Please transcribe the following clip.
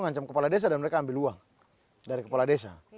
mengancam kepala desa dan mereka ambil uang dari kepala desa